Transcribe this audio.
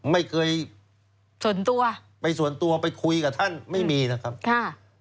ไม่เคยส่วนตัวไปส่วนตัวไปคุยกับท่านไม่มีนะครับค่ะ